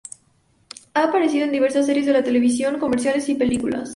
Ha aparecido en diversas series de televisión, comerciales y películas.